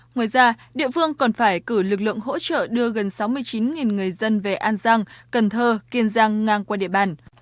ngoài ra địa phương còn phải cử lực lượng hỗ trợ đưa gần sáu mươi chín người dân về an giang cần thơ kiên giang ngang qua địa bàn